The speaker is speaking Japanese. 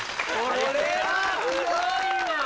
これはすごいわ！